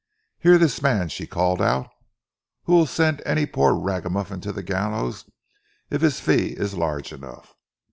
"Hear this man," she called out, "who will send any poor ragamuffin to the gallows if his fee is large enough!